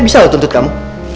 bisa lah tuntut kamu